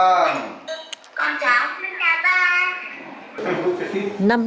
con cháu lên nhà ba